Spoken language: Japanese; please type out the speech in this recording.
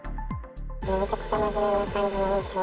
めちゃくちゃ真面目な感じの印象。